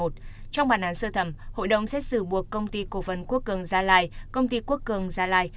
trong bản án sơ thẩm hội đồng xét xử buộc công ty cổ phần quốc cường gia lai công ty quốc cường gia lai